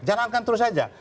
jalankan terus saja